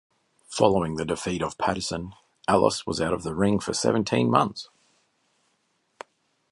Following the defeat of Patterson, Ellis was out of the ring for seventeen months.